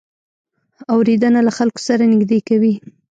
اورېدنه له خلکو سره نږدې کوي.